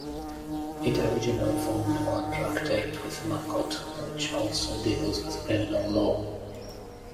It originally formed one tractate with Makkot, which also deals with criminal law.